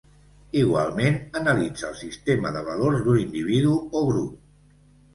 Igualment analitza el sistema de valors d'un individu o grup.